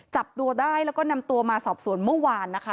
จับตัวได้แล้วก็นำตัวมาสอบสวนเมื่อวานนะคะ